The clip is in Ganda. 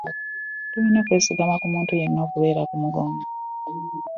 Tolina kwesigama ku muntu yenna akubeera ku mugongo.